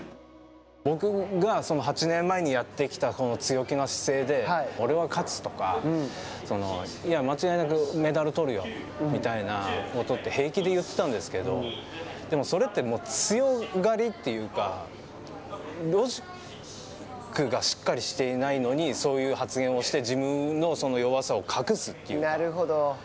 僕が８年前にやってきた強気の姿勢で俺が勝つとか、いや、間違いなくメダル取るよみたいなことを平気で言ってたんですけど、でもそれって強がりというかロジックがしっかりしていないのに、そういう発言をして自分の弱さを隠すというか。